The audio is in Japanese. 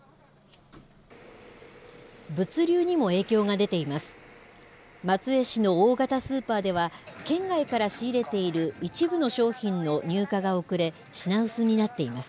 物流にも影響が出ています。